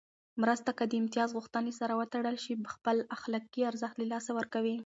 مرسته که د امتياز غوښتنې سره وتړل شي، خپل اخلاقي ارزښت له لاسه ورکوي.